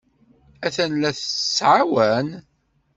Attan la t-tettɛawan.